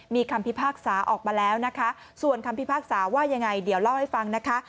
มีคำพิพากษาออกมาแล้วนะคะส่วนคำพิพากษาว่ายังไงเดี๋ยวเล่าให้ฟังนะคะ